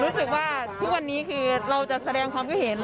รู้สึกว่าทุกวันนี้คือเราจะแสดงความคิดเห็น